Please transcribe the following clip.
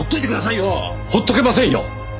放っとけませんよ！